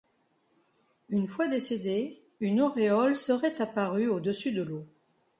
Une fois décédé, une auréole serait apparue au-dessus de l'eau.